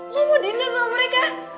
lo mau diner sama mereka